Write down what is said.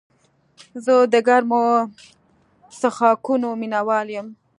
زه د ګرمو څښاکونو مینه وال یم.